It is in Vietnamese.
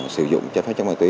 sử dụng cho phát chống ma túy